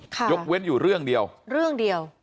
ยกเว้นอยู่เรื่องเดียวเรื่องเดียว